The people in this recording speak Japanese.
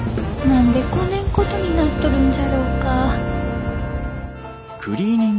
何でこねんことになっとるんじゃろうか。